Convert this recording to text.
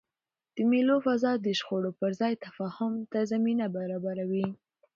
د مېلو فضا د شخړو پر ځای تفاهم ته زمینه برابروي.